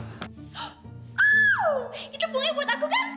oh itu bunga buat aku kan